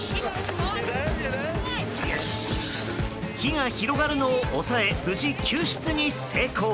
火が広がるのを抑え無事、救出に成功。